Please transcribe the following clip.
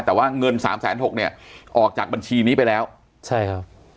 แต่ว่าเงินสามแสนหกเนี่ยออกจากบัญชีนี้ไปแล้วใช่ครับ